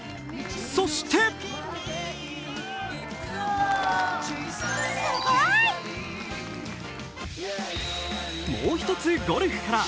そしてもう一つゴルフから。